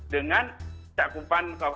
dengan capupan keberhasilan